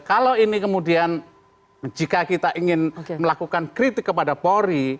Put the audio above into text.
kalau ini kemudian jika kita ingin melakukan kritik kepada polri